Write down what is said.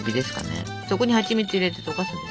そこにはちみつを入れて溶かすんですよ。